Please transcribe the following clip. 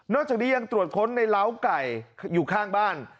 จากนี้ยังตรวจค้นในร้าวไก่อยู่ข้างบ้าน